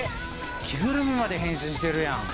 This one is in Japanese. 着ぐるみまで変身してるやん。